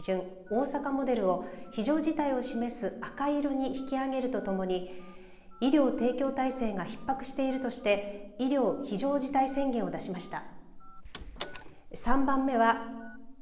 大阪モデルを非常事態を示す赤色に引き上げるとともに医療提供体制がひっ迫しているとして医療非常事態宣言を出しました。